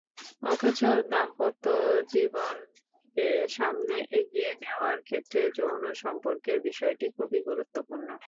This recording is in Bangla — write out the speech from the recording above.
অথচ দাম্পত্য জীবনকে সামনে এগিয়ে নেওয়ার ক্ষেত্রে যৌন সম্পর্কের বিষয়টি খুবই গুরুত্বপূর্ণ।